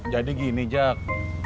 jadi gini jack